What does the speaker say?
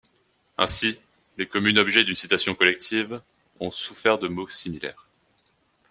Ainsi, les communes objets d’une citation collective ont souffert de maux similaires.